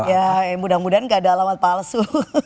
ya mudah mudahan gak ada alamat palsu